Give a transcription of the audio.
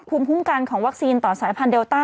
ภูมิคุ้มกันของวัคซีนต่อสายพันธุเดลต้า